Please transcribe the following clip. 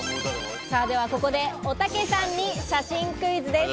ここでおたけさんに写真クイズです。